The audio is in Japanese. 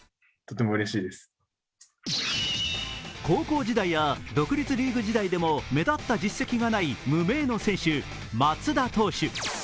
高校時代や独立リーグ時代でも目立った実績のない無名の選手、松田投手。